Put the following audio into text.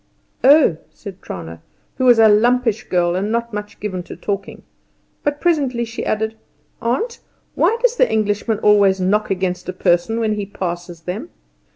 "Oh!" said Trana, who was a lumpish girl and not much given to talking; but presently she added, "Aunt, why does the Englishman always knock against a person when he passes them?"